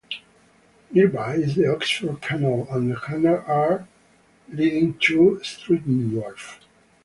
Nearby is the Oxford Canal and a canal arm leading to Stretton Wharf.